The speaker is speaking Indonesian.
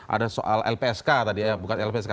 ada soal lpsk tadi ya bukan lpsk